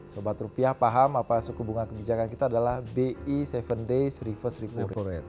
sobat rupiah paham apa suku bunga kebijakan kita adalah bi tujuh days reverse repo rate